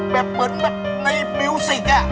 แบบเหมือนแบบในมิวสิก